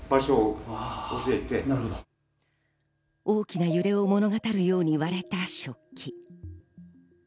大きな揺れを物語るように割れた食器。